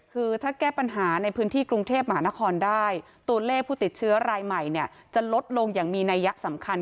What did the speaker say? คือถ้าแก้ปัญหาในพื้นที่กรุงเทพมหานครได้ตัวเลขผู้ติดเชื้อรายใหม่เนี่ยจะลดลงอย่างมีนัยยะสำคัญ